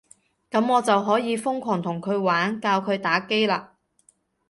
噉我就可以瘋狂同佢玩，教佢打機喇